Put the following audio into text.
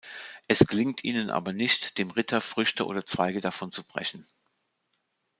Es gelingt ihnen aber nicht, dem Ritter Früchte oder Zweige davon zu brechen.